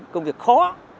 công việc khó